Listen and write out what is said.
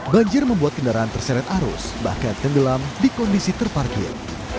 banjir membuat kendaraan terseret arus bahkan tenggelam di kondisi terparkir